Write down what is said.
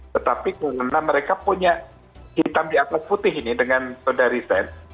tetapi karena mereka punya hitam di atas putih ini dengan sodarisan